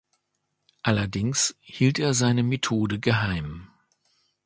Allerdings hielt er seine Methode geheim.